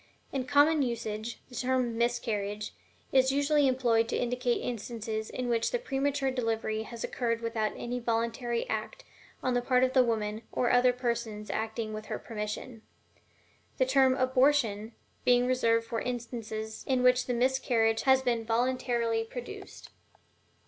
In common usage, the term "miscarriage" is usually employed to indicate instances in which the premature delivery has occurred without any voluntary act on the part of the woman, or other persons acting with her permission; the term "abortion" being reserved for instances in which the miscarriage has been voluntarily produced.